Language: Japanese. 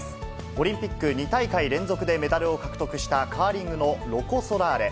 オリンピック２大会連続でメダルを獲得した、カーリングのロコ・ソラーレ。